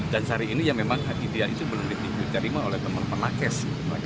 dan sehari ini ya memang ideal itu belum diterima oleh teman teman lakes